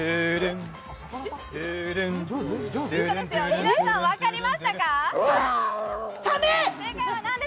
皆さん、分かりましたか？